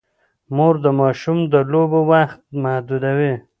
مور د ماشوم د لوبو وخت محدودوي.